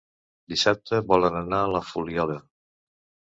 Dissabte volen anar a la Fuliola.